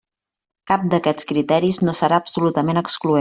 Cap d'aquests criteris no serà absolutament excloent.